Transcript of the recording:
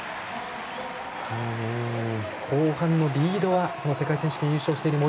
後半のリードはこの世界選手権優勝している森。